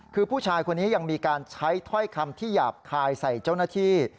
คือผู้ชายคนนี้ยังมีการใช้ถ้อยคำที่หยาบคายใส่เจ้าหน้าที่